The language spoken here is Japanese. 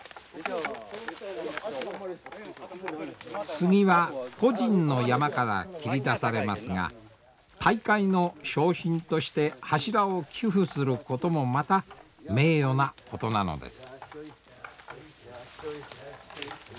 杉は個人の山から切り出されますが大会の賞品として柱を寄付することもまた名誉なことなのです。